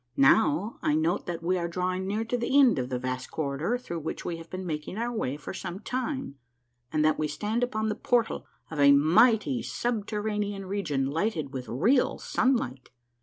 Now I note that we are drawing near to the end of the vast corridor through which we have been making our way for some time, and that we stand upon the portal of a mighty subterranean region lighted with real sunlight.